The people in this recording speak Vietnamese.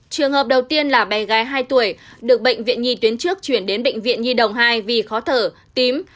trường hợp đầu tiên là bé gái hai tuổi được bệnh viện nhi tuyến trước chuyển đến bệnh viện nhi đồng hai vì khó thở tím